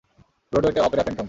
ব্রডওয়েতে opera Phantom.